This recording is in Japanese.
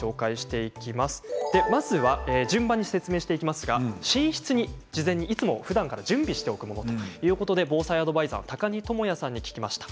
まずは寝室に事前にいつもふだんから準備しておくものということで防災アドバイザーの高荷智也さんに聞きました。